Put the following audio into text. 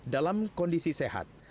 dalam kondisi sehat